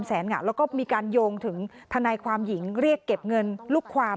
แสนเหงาแล้วก็มีการโยงถึงทนายความหญิงเรียกเก็บเงินลูกความ